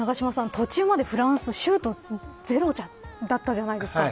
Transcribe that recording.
途中までフランスシュートゼロだったじゃないですか。